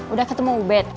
udah ketemu ubed